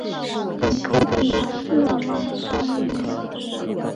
本科的鸟是晚成雏。